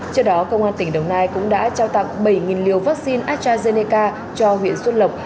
trước đó công an tỉnh đồng nai cũng đã trao tặng bảy liều vaccine astrazeneca cho huyện xuân lộc